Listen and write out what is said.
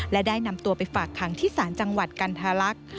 และได้นำตัวไปฝากขังที่ศาลจังหวัดกันทรลักษณ์